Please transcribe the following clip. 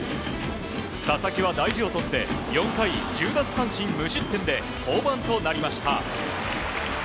佐々木は大事をとって４回１０奪三振無失点で降板となりました。